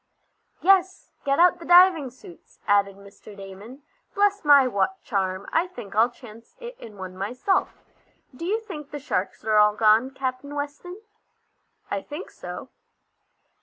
"Yes, get out the diving suits," added Mr. Damon. "Bless my watch charm, I think I'll chance it in one myself! Do you think the sharks are all gone, Captain Weston?" "I think so."